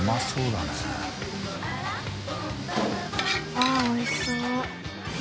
あっおいしそう。